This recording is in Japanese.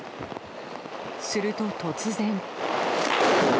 すると、突然。